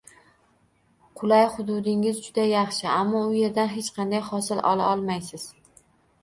Qulay hududingiz juda yaxshi, ammo u yerdan hech qanday hosil ola olmaysiz